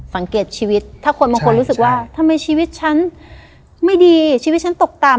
สังเกตชีวิตถ้าคนบางคนรู้สึกว่าทำไมชีวิตฉันไม่ดีชีวิตฉันตกต่ำ